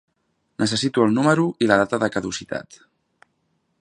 Necessito el número i la data de caducitat.